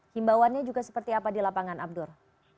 himbauannya juga seperti apa di lapangan abdur